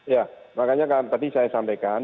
ya makanya kan tadi saya sampaikan